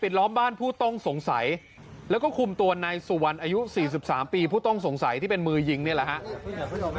ล้อมบ้านผู้ต้องสงสัยแล้วก็คุมตัวนายสุวรรณอายุ๔๓ปีผู้ต้องสงสัยที่เป็นมือยิงนี่แหละครับ